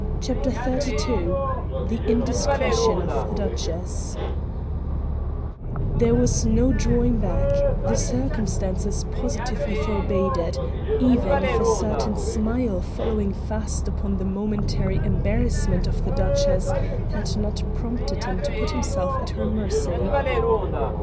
CHAPTER XXXII THE INDISCRETION OF THE DUCHESS There was no drawing back; the circumstances positively forbade it, even if a certain smile following fast upon the momentary embarrassment of the Duchess had not prompted him to put himself at her mercy.